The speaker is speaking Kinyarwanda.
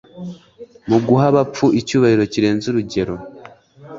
Mu guha abapfu icyubahiro kirenze urugero,